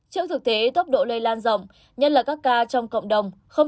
trước thực tế tốc độ lây lan rộng nhất là các ca trong cộng đồng